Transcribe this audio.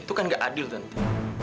itu kan gak adil tentu